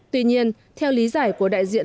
tuy nhiên theo lý giải của đại diện